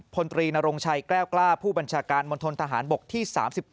พลตรีนรงชัยแก้วกล้าผู้บัญชาการมณฑนทหารบกที่๓๙